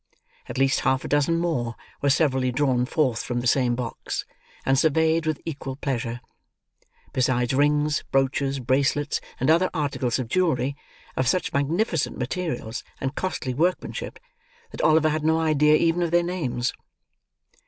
At least half a dozen more were severally drawn forth from the same box, and surveyed with equal pleasure; besides rings, brooches, bracelets, and other articles of jewellery, of such magnificent materials, and costly workmanship, that Oliver had no idea, even of their names.